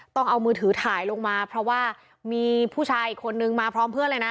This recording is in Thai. ต้องเอามือถือถ่ายลงมาเพราะว่ามีผู้ชายอีกคนนึงมาพร้อมเพื่อนเลยนะ